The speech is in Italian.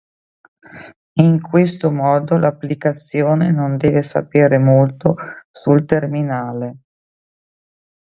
In questo modo l'applicazione non deve sapere molto sul terminale.